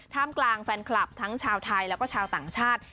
กลางแฟนคลับทั้งชาวไทยแล้วก็ชาวต่างชาติ